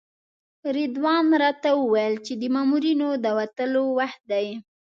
رضوان راته وویل د مامورینو د وتلو وخت دی.